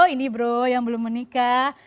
ini bro yang belum menikah